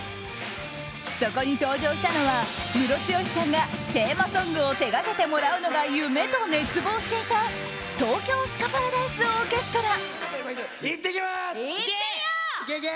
そこに登場したのはムロツヨシさんがテーマソングを手がけてもらうのが夢と熱望していた東京スカパラダイスオーケストラ。